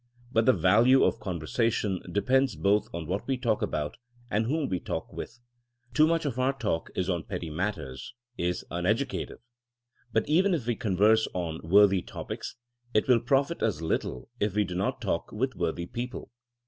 But the value of conversation depends both on what we talk about, and whom we talk with. Too much of our talk is on petty mat ters, is uneducative. And even if we converse on worthy topics, it will profit us little if we do not talk with worthy people.